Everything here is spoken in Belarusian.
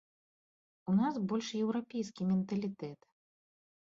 У нас больш еўрапейскі менталітэт.